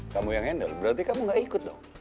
kamu yang handle berarti kamu gak ikut dong